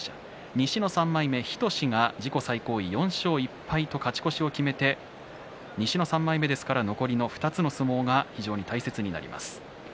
西の３枚目、日翔志が自己最高位で４勝１敗と勝ち越しを決めて西の３枚目ですから残りの２つの相撲が非常に大切になります。